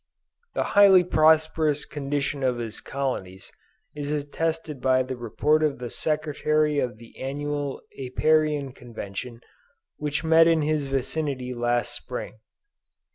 The highly prosperous condition of his colonies is attested by the Report of the Secretary of the Annual Apiarian Convention which met in his vicinity last spring.